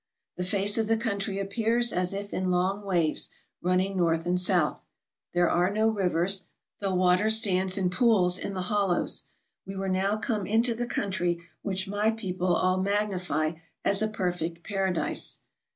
The face of the country appears as if in long waves, running north and south. There are no rivers, though water stands in pools in the hollows. We were now come into the country which my people all magnify as a perfect paradise.